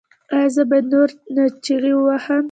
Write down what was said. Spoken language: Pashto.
ایا زه به نور نه چیغې وهم؟